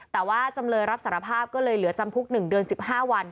แต่ว่าจำเลยรับสารภาพก็เลยเหลือจำคุก๑เดือน๑๕วัน